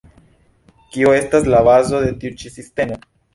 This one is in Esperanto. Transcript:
Kio estas la bazo de tiu ĉi sistemo?